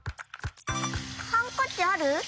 ハンカチある？